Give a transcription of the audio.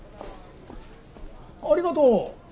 ありがとう。